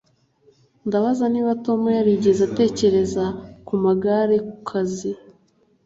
Ndabaza niba Tom yarigeze atekereza ku magare ku kazi